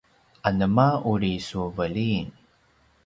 anema uri su veliyn?